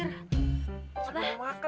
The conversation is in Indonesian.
siapa yang makan